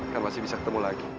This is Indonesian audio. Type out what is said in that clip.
yang masih bisa ketemu lagi